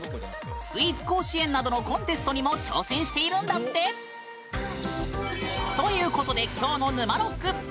スイーツ甲子園などのコンテストにも挑戦しているんだって！ということできょうの「ぬまろく」！